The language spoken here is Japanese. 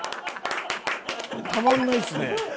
たまんないですね。